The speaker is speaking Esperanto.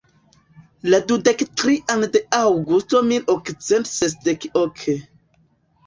La dudek trian de Aŭgusto mil okcent sesdek ok.